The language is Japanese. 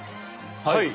はい。